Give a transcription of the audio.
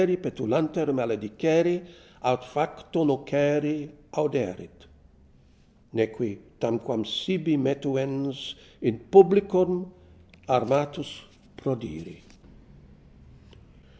petulanter maledicere, Aut facto nocere auderet ; Neque, tanquam sibi metuens, In publicum armatus prodire.